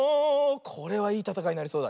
これはいいたたかいになりそうだ。